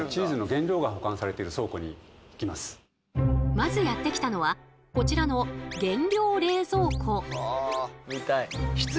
まずやって来たのはこちらの原料冷蔵庫。